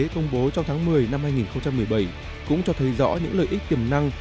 công bố trong tháng một mươi năm hai nghìn một mươi bảy cũng cho thấy rõ những lợi ích tiềm năng